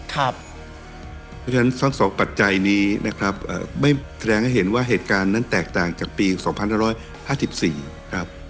เพราะฉะนั้นทั้งสองปัจจัยนี้นะครับไม่แสดงให้เห็นว่าเหตุการณ์นั้นแตกต่างจากปี๒๕๕๔ครับ